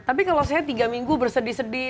tapi kalau saya tiga minggu bersedih sedih